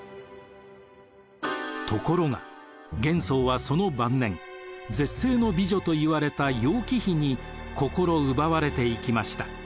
ところが玄宗はその晩年絶世の美女といわれた楊貴妃に心奪われていきました。